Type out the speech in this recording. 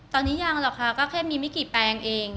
ตอนนี้ยังหรอกค่ะก็แค่มีไม่กี่แปลงเอง